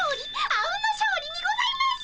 あうんの勝利にございます！